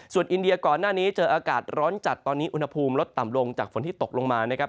ส่วนอินเดียก่อนหน้านี้เจออากาศร้อนจัดตอนนี้อุณหภูมิลดต่ำลงจากฝนที่ตกลงมานะครับ